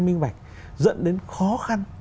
minh bạch dẫn đến khó khăn